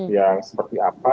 yang seperti apa